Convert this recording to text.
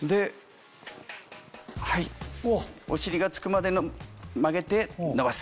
お尻がつくまで曲げて伸ばす。